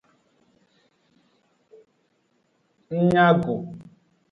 Ng nya go.